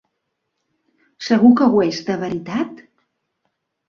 Segur que ho és, de veritat?